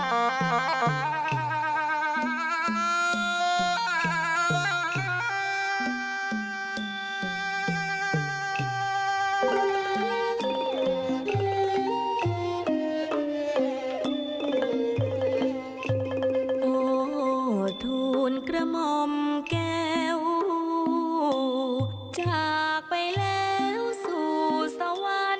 โอ้โหทูลกระหม่อมแก้วจากไปแล้วสู่สวรรค์